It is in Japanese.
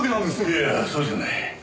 いやいやそうじゃない。